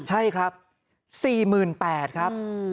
ใช่ครับ๔๘๐๐ครับ